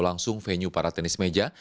langsung venue para tenis meja